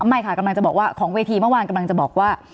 ไม่ค่ะของเวทีเมื่อวานกำลังจะบอกว่า